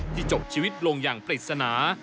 จบชีวิตลงอย่างปริศนา